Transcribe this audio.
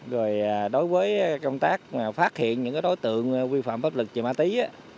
rồi đối với công tác phát hiện những đối tượng vi phạm pháp luật chị ma tý